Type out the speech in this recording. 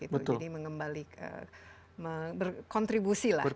jadi mengembalikan berkontribusi lah